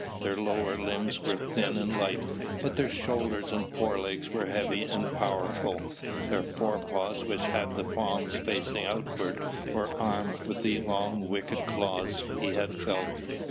Their lower limbs were thin and light, but their shoulders and forelegs were heavy and powerful. Their forepaws, which had the palms facing outward, were armed with the long wicked claws he had felt.